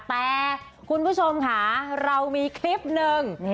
แต่คุณผู้ชมค่ะเรามีคลิปหนึ่ง